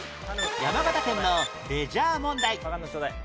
山形県のレジャー問題